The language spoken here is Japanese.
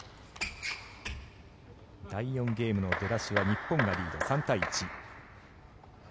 第４ゲームの出だしは日本がリード、３対１。